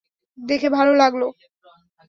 দেখে ভালো লাগল।